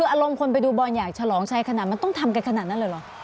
อารมณ์คนไปดูบอลอยากฉลองชัยขนาดมันต้องทำกันขนาดนั้นเลยเหรอ